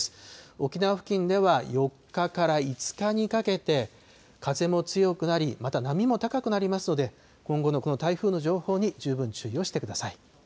沖縄付近では４日から５日にかけて、風も強くなり、また波も高くなりますので、今後のこの台風の情報に十分注意をしてください。